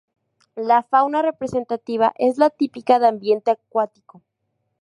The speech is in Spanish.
La fauna representativa es la típica de ambiente acuático.